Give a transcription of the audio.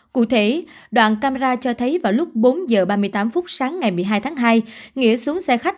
cụ thể đoạn camera cho thấy vào lúc bốn h ba mươi tám phút sáng ngày một mươi hai tháng hai nghĩa xuống xe khách